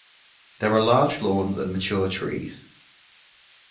There are large lawns and mature trees.